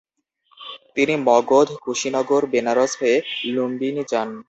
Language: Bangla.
তিনি মগধ, কুশীনগর, বেনারস হয়ে লুম্বিনী যান।